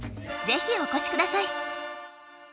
ぜひお越しください